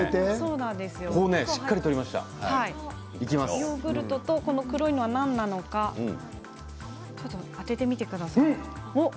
ヨーグルトと黒いのは何なのか当ててみてください。